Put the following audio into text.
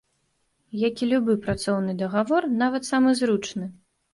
Як і любы працоўны дагавор, нават самы зручны.